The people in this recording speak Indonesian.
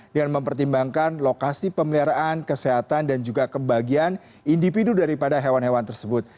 dengan mempertimbangkan lokasi pemeliharaan kesehatan dan juga kebahagiaan individu daripada hewan hewan tersebut